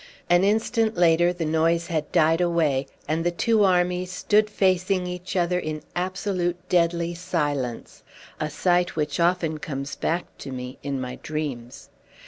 An instant later the noise had died away, and the two armies stood facing each other in absolute deadly silence a sight which often comes back to me in my dreams.